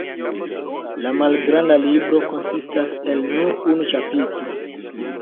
La malgranda libro konsistas el nur unu ĉapitro.